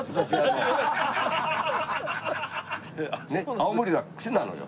青森は「くぃ」なのよ。